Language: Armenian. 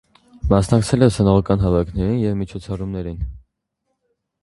Մասնակցել է ուսանողական հավաքներին և միջոցառումներին։